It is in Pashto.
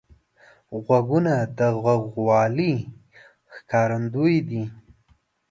غوږونه د غوږوالۍ ښکارندوی دي